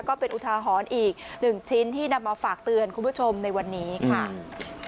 ก็เป็นอุทาหรณ์อีกหนึ่งชิ้นที่นำมาฝากเตือนคุณผู้ชมในวันนี้ค่ะ